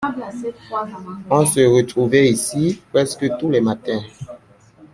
On se retrouvait ici, presque tous les matins.